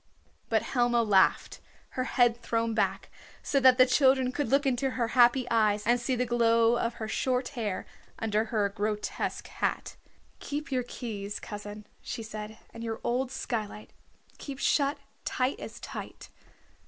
But Helma laughed, her head thrown back, so that the children could look into her happy eyes and see the glow of her short hair under her grotesque hat. "Keep your keys, cousin," she said, "and your old skylight keep shut tight as tight.